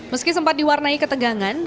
meski sempat diwarnai ketegangan